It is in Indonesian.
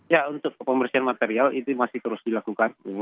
ya untuk pembersihan material itu masih terus dilakukan